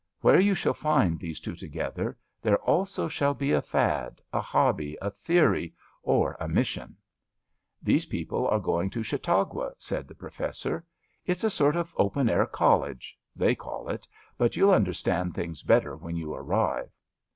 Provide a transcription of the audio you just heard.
Where you shall find these two together, there also shall be a fad, a hobby, a theory, or a mission. These people are going to Chautauqua,'* said the Professor. *^ It's a sort of open air college — they call it — ^but you'll understand things better when you arrive."